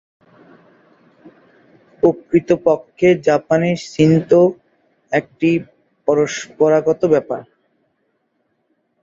প্রকৃতপক্ষে, জাপানে শিন্তো একটি পরম্পরাগত ব্যাপার।